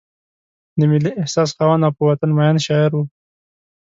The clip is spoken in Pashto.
د ملي احساس خاوند او په وطن مین شاعر و.